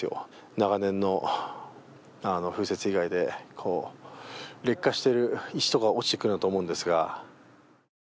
長年の風雪被害で劣化している石とか落ちてくるんだと思うんですが。